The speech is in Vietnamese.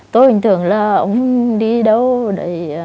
tôi bình thường là ông đi đâu đấy